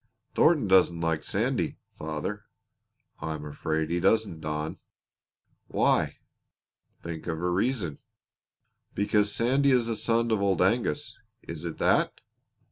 "Thornton doesn't like Sandy, father." "I am afraid he doesn't, Don." "Why?" "Think of a reason." "Because Sandy is the son of Old Angus is it that?"